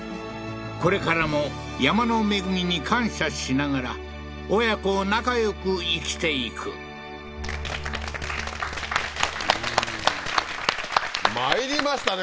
これからも山の恵みに感謝しながら親子仲よく生きていくまいりましたね